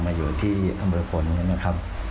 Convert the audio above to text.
มาอยู่ที่อำเภอฝนนะครับ